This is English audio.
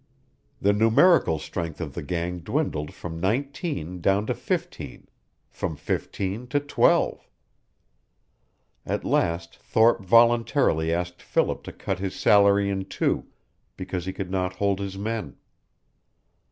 The numerical strength of the gang dwindled from nineteen down to fifteen, from fifteen to twelve. At last Thorpe voluntarily asked Philip to cut his salary in two, because he could not hold his men.